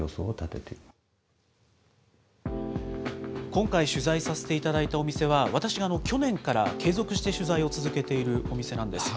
今回、取材させていただいたお店は、私が去年から継続して取材を続けているお店なんです。